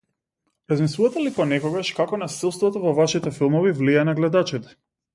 Размислувате ли понекогаш како насилството во вашите филмови влијае на гледачите?